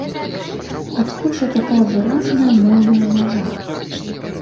Адкуль жа такая выразная моўная мяжа?